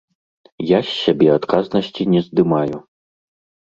Я з сябе адказнасці не здымаю.